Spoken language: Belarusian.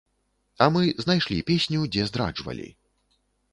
А мы знайшлі песню, дзе здраджвалі.